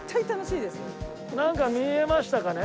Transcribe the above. なんか見えましたかね